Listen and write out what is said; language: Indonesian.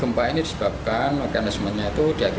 gempa ini disebabkan makanan semuanya itu diakibatkan